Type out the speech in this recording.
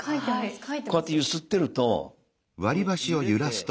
こうやって揺すってると揺れて。